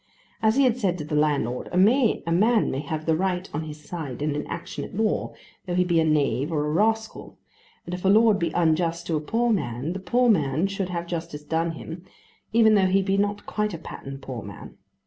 As he had said to the landlord, a man may have the right on his side in an action at law though he be a knave or a rascal; and if a lord be unjust to a poor man, the poor man should have justice done him, even though he be not quite a pattern poor man.